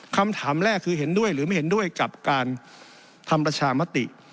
คำถามแรกคือเห็นด้วยหรือไม่เห็นด้วยกับการทำประชามติ